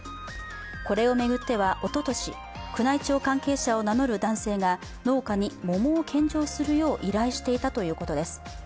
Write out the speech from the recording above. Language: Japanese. これを巡ってはおととし、宮内庁関係者を名乗る男性が農家に桃を献上するよう依頼していたということです。